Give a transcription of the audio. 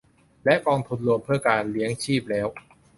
และกองทุนรวมเพื่อการเลี้ยงชีพแล้ว